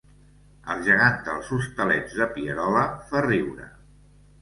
El gegant dels Hostalets de Pierola fa riure